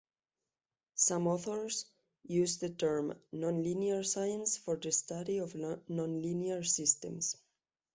Some authors use the term nonlinear science for the study of nonlinear systems.